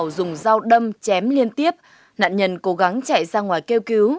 dùng dao đâm chém liên tiếp nạn nhân cố gắng chạy ra ngoài kêu cứu